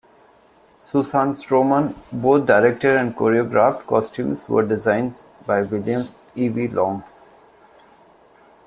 Susan Stroman both directed and choreographed; costumes were designed by William Ivey Long.